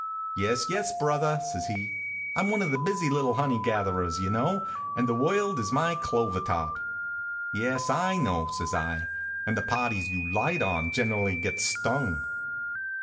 Yes, yes, brother," says he. " I m one of the busy little honey gatherers, you know, and the world is my clover top." Yes, I know," says I, " and the parties you light on gen rally gets stung."